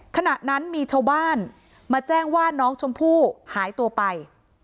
ขณะนั้นมีชาวบ้านมาแจ้งว่าน้องชมพู่หายตัวไป